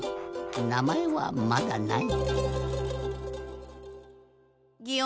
なまえはまだない。